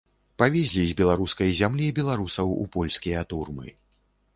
Павезлі з беларускай зямлі беларусаў у польскія турмы.